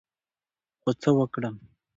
خو څه وکړم،